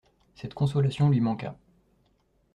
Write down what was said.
Cette consolation lui manqua.